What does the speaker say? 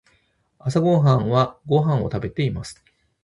朝ごはんはご飯を食べています。